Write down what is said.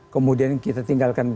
kemudian kita tinggalkan